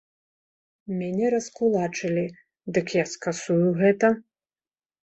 Мяне раскулачылі, дык я скасую гэта!